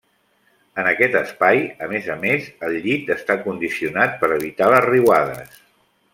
En aquest espai, a més a més, el llit està condicionat per evitar les riuades.